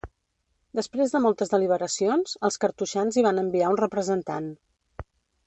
Després de moltes deliberacions, els cartoixans hi van enviar un representant.